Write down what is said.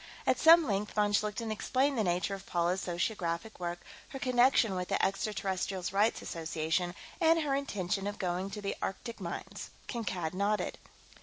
At some length, von Schlichten explained the nature of Paula's sociographic work, her connection with the Extraterrestrials' Rights Association, and her intention of going to the Arctic mines. Kankad nodded.